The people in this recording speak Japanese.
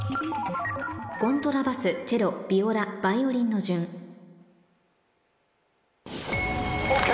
コントラバスチェロビオラバイオリンの順ＯＫ！